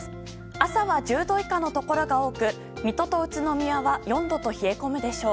朝は１０度以下のところが多く水戸と宇都宮は４度と冷え込むでしょう。